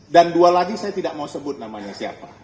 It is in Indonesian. dan dua lagi saya tidak mau sebut namanya siapa